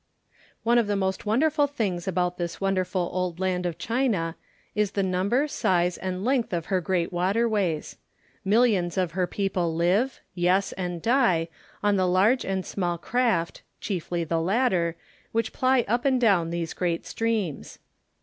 * One of the most wonderful things about this wonderful old land of China, is the number, size and length of her great waterways. Millions of her people live, yes and die, on the large and small craft (chiefly the latter) which ply up and down these great streams.